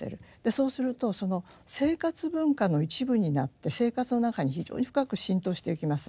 そうするとその生活文化の一部になって生活の中に非常に深く浸透していきます。